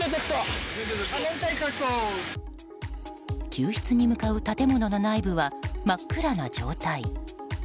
救出に向かう建物の内部は真っ暗な状態。